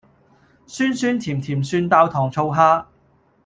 酸酸甜甜蒜爆糖醋蝦